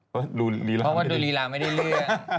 เพราะว่าดูลีลาไม่ได้เลือก